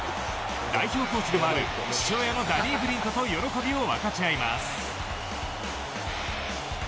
代表コーチでもある父親のダニー・ブリントと喜びを分かち合います。